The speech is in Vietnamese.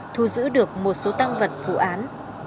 thu giữ được một số tăng vật vụ án